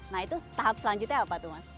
nah itu tahap selanjutnya apa tuh mas